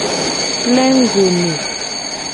Plengugo ne.